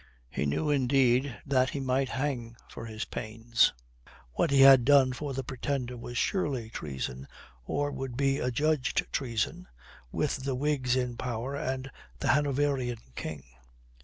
He knew, indeed, that he might hang for his pains. What he had done for the Pretender was surely treason, or would be adjudged treason, with the Whigs in power and the Hanoverian King.